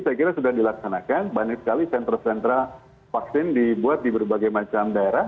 saya kira sudah dilaksanakan banyak sekali kentra kentra vaksin dibuat di berbagai daerah